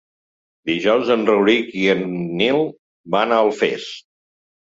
Dijous en Rauric i en Nil van a Alfés.